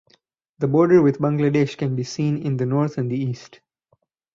The border with Bangladesh can be seen in the north and the east.